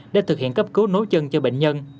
để thực hiện cấp cứu nối chân cho bệnh nhân